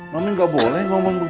mami gak boleh ngomong begitu